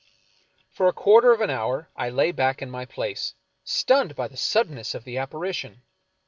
For a quarter of an hour I lay back in my place, stunned by the suddenness of the apparition.